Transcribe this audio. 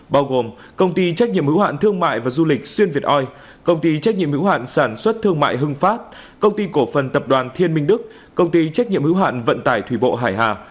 bao gồm công ty trách nhiệm hữu hạn thương mại và du lịch xuyên việt oi công ty trách nhiệm hữu hạn sản xuất thương mại hưng pháp công ty cổ phần tập đoàn thiên minh đức công ty trách nhiệm hữu hạn vận tải thủy bộ hải hà